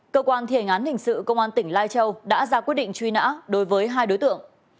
cơ quan thi hành án hình sự công an tỉnh lai châu đã ra quyết định truy nã đối với hai đối tượng